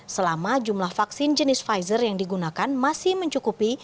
selama jumlah vaksin jenis pfizer yang digunakan masih mencukupi